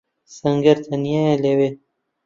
سەنگەر تەنیایە لەوێ.